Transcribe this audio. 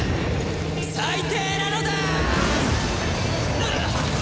最低なのだーっ！